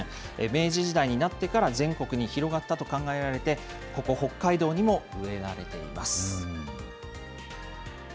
明治時代になってから全国に広がったと考えられて、ここ北海道にも植えられています。